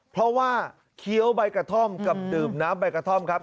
เพราะว่าเคี้ยวใบกระท่อมกับดื่มน้ำใบกระท่อมครับ